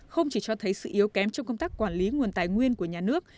không chỉ cho thấy sự yếu kém trong công tác quản lý nguồn tài nguyên của nhà nước